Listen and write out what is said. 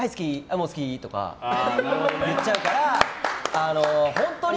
もう好き！とか言っちゃうから本当に？